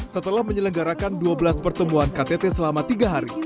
setelah menyelenggarakan dua belas pertemuan ktt selama tiga hari